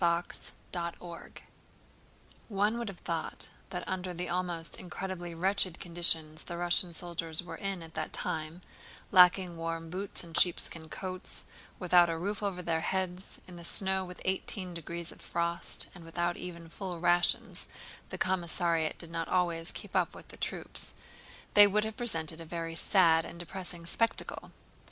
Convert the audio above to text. CHAPTER VIII One would have thought that under the almost incredibly wretched conditions the Russian soldiers were in at that time—lacking warm boots and sheepskin coats, without a roof over their heads, in the snow with eighteen degrees of frost, and without even full rations (the commissariat did not always keep up with the troops)—they would have presented a very sad and depressing spectacle.